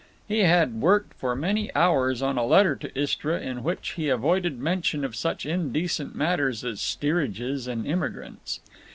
He had worked for many hours on a letter to Istra in which he avoided mention of such indecent matters as steerages and immigrants.